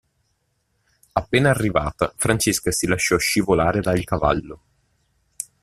Appena arrivata, Francesca si lasciò scivolare dal cavallo.